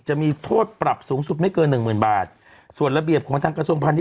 จะมีโทษปรับสูงสุดไม่เกินหนึ่งหมื่นบาทส่วนระเบียบของทางกระทรวงพาณิช